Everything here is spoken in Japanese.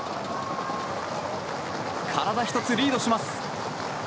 体１つリードします。